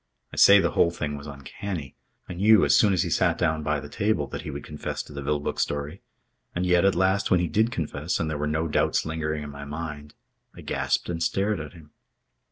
I say the whole thing was uncanny. I knew, as soon as he sat down by the table, that he would confess to the Vilboek story. And yet, at last, when he did confess and there were no doubts lingering in my mind, I gasped and stared at him.